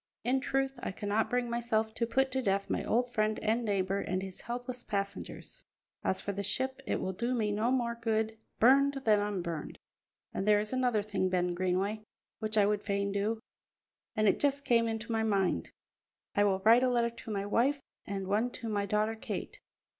In truth, I cannot bring myself to put to death my old friend and neighbour and his helpless passengers. As for the ship, it will do me no more good burned than unburned. And there is another thing, Ben Greenway, which I would fain do, and it just came into my mind. I will write a letter to my wife and one to my daughter Kate.